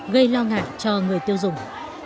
gây lo ngại cho người tiêu dùng